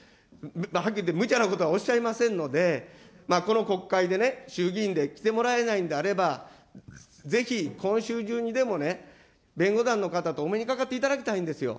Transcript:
はっきり言ってむちゃなことはおっしゃいませんので、この国会で衆議院で来てもらえないんであれば、ぜひ今週中にでも、弁護団の方とおめのかかっていただきたいんですよ